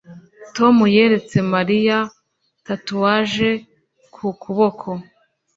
Tom yeretse Mariya tatouage ku kuboko